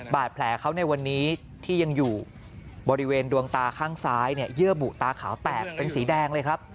บาดแผลเขาในวันนี้ที่ยังอยู่บริเวณดวงตาข้างซ้ายเนี่ยเยื่อบุตาขาวแตกเป็นสีแดงเลยครับ